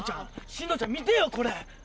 進藤ちゃん見てよこれ。